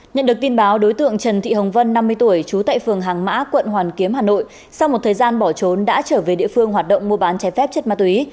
nhận được tin báo đối tượng trần thị hồng vân năm mươi tuổi trú tại phường hàng mã quận hoàn kiếm hà nội sau một thời gian bỏ trốn đã trở về địa phương hoạt động mua bán trái phép chất ma túy